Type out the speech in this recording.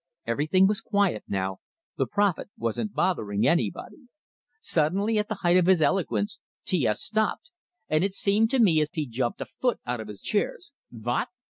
Everything was quiet now, the prophet wasn't bothering anybody Suddenly, at the height of his eloquence, T S stopped; and it seemed to me as if he jumped a foot out of his chair. "VOT!"